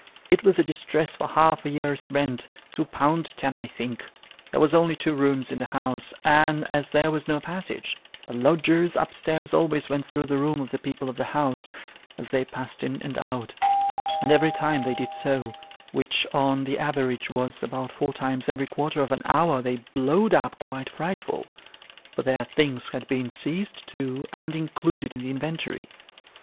It was a distress for half a year's rent two pound ten I think. There was only two rooms in the house, and as there was no passage, the lodgers up stairs always went through the room of the people of the house, as they passed in and out ; and every time they did so which, on the average, was about four times every quarter of an hour they blowed up quite frightful : for their things had been seized too, and included in tho inventory.